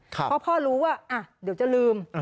เพราะพ่อรู้ว่าเดี๋ยวจะลืม